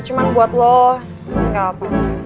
cuma buat lu nggak apa apa